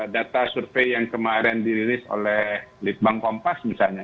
data survei yang kemarin dirilis oleh litbang kompas misalnya